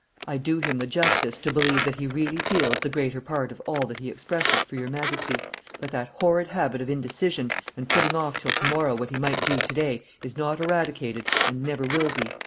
I do him the justice to believe that he really feels the greater part of all that he expresses for your Majesty; but that horrid habit of indecision and putting off till to morrow what he might do to day is not eradicated, and never will be.